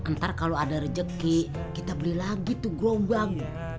ntar kalau ada rezeki kita beli lagi tuh gelombang